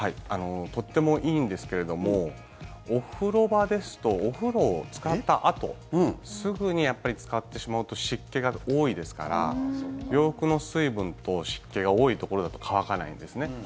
とってもいいんですけれどもお風呂場ですとお風呂を使ったあとすぐに使ってしまうと湿気が多いですから洋服の水分と湿気が多いところだと渇かないですね。